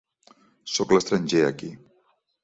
Soc l'estranger aquí.